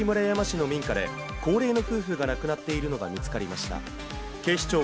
きのう、東京・東村山市の民家で、高齢の夫婦が亡くなっているのが見つかりました。